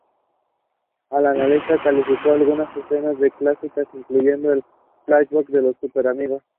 Al finalizar, calificó algunas escenas de "clásicas" incluyendo el flashback de "Los Súper Amigos".